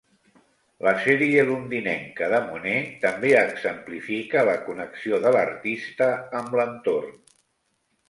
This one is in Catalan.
La sèrie londinenca de Monet també exemplifica la connexió de l'artista amb l'entorn.